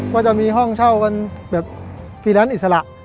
ว่าจะมีห้องเช่ากันแบบฟีร้านอิสระ